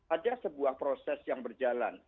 ada sebuah proses yang berjalan